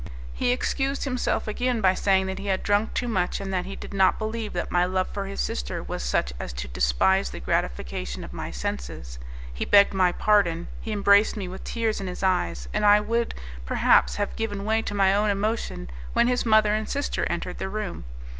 He excused himself again by saying that he had drunk too much, and that he did not believe that my love for his sister was such as to despise the gratification of my senses. He begged my pardon, he embraced me with tears in his eyes, and I would, perhaps have given way to my own emotion, when his mother and sister entered the room.